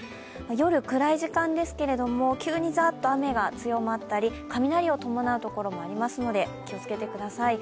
夜暗い時間ですけれども急にザッと雨が強まったり雷を伴うところもありますので気をつけてください。